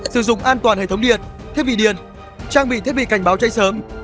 sử dụng an toàn hệ thống điện thiết bị điện trang bị thiết bị cảnh báo cháy sớm